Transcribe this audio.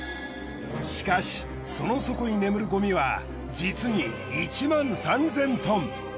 しかしその底に眠るごみは実に１３，０００ｔ。